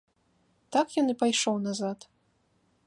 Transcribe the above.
Так ён і пайшоў назад.